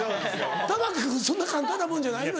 玉木君そんな簡単なもんじゃないの？